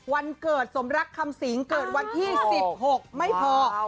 วันเกิดสมรักคำสิงเกิดวันที่๑๖ไม่พอ